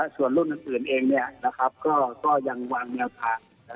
ส่วนรุ่นอื่นเองก็ยังวางแนวทาง